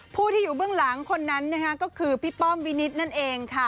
ผู้ที่อยู่เบื้องหลังคนนั้นนะคะก็คือพี่ป้อมวินิตนั่นเองค่ะ